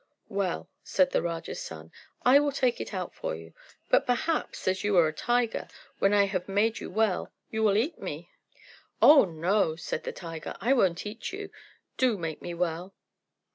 "Well," said the Raja's son, "I will take it out for you. But perhaps, as you are a tiger, when I have made you well, you will eat me?" "Oh, no," said the tiger, "I won't eat you. Do make me well."